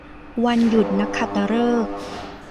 วันหยุดนักขัตฤกษ์